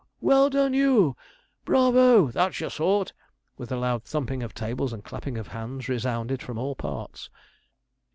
"' 'Well done you! Bravo! that's your sort!' with loud thumping of tables and clapping of hands, resounded from all parts.